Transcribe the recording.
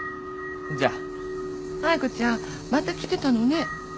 亜矢子ちゃんまた来てたのね。